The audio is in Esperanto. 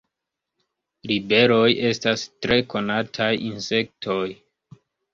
Libeloj estas tre konataj insektoj.